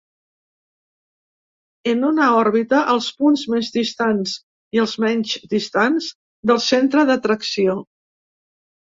En una òrbita, els punts més distants i els menys distants del centre d'atracció.